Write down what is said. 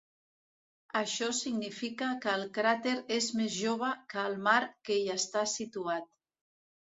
Això significa que el cràter és més jove que el mar que hi està situat.